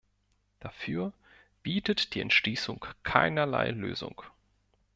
Dafür bietet die Entschließung keinerlei Lösung.